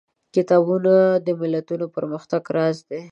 کتابونه د ملتونو د پرمختګ راز دي.